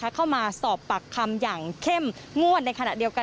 เข้ามาสอบปากคำอย่างเข้มงวดในขณะเดียวกัน